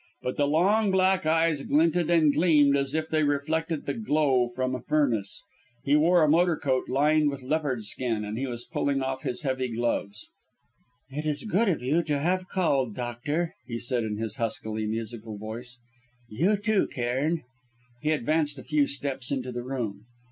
But the long black eyes glinted and gleamed as if they reflected the glow from a furnace. He wore a motor coat lined with leopard skin and he was pulling off his heavy gloves. "It is good of you to have waited, Doctor," he said in his huskily musical voice "you too, Cairn." He advanced a few steps into the room.